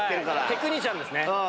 テクニシャンですね。